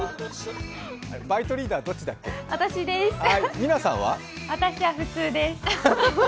バイトリーダーどっちだっけ？